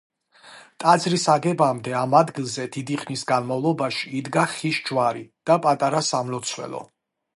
ტაძრის აგებამდე ამ ადგილზე დიდი ხნის განმავლობაში იდგა ხის ჯვარი და პატარა სამლოცველო.